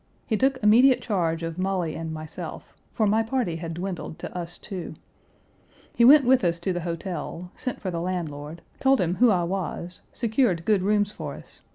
He took immediate charge of Molly and myself, for my party had dwindled to us two. He went with us to the hotel, sent for the landlord, told him who I was, secured good rooms for us and saw that we were made 1.